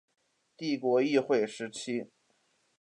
帝国议会时期。